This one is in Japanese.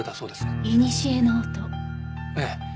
ええ。